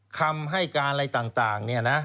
คำให้การอะไรต่างเนี่ยนะ